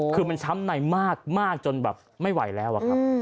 คือมันช้ำในมากจนแบบไม่ไหวแล้วอะครับ